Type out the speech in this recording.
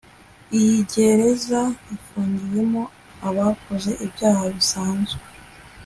Iyi gereza ifungiwemo abakoze ibyaha bisanzwe